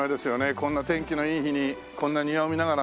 こんな天気のいい日にこんな庭を見ながら。